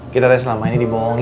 kita selama ini dibohongin